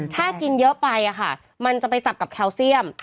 ถ้ากินเยอะไปมันจะไปจับกับแคลเซียม